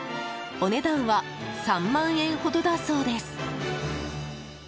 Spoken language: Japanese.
お値段は３万円ほどだそうです。